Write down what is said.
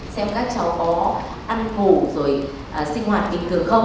xem các cháu có ăn ngủ rồi sinh hoạt bình thường không